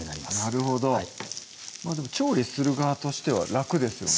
なるほど調理する側としては楽ですよね